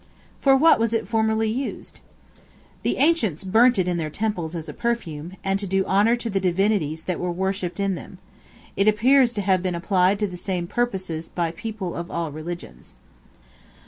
For what was it formerly used? The ancients burnt it in their temples as a perfume, and to do honor to the divinities that were worshipped in them: it appears to have been applied to the same purposes by people of all religions.